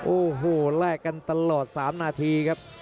โอ้โหแลกกันตลอด๓นาทีครับ